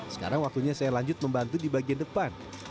sekarang waktunya saya lanjut membantu di bagian depan